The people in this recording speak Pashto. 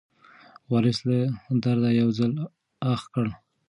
وارث له درده یو ځل اخ کړ.